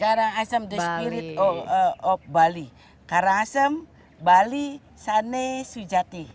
karangasem the spirit of bali karangasem bali sane sujati